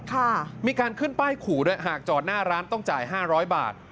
ค่ะมีการขึ้นป้ายขู่ด้วยหากจอดหน้าร้านต้องจ่ายห้าร้อยบาท